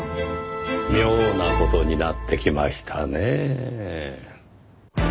妙な事になってきましたねぇ。